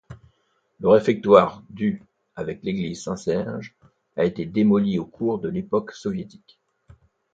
Le réfectoire du avec l’église Saint-Serge a été démolie au cours de l'époque soviétique.